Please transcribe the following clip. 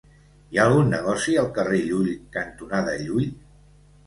Hi ha algun negoci al carrer Llull cantonada Llull?